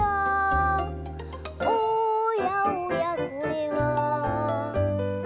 「おやおやこれは」